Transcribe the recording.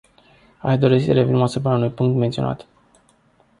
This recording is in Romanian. Aș dori să revin asupra unui punct menționat.